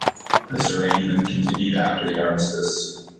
This arrangement continued after the armistice.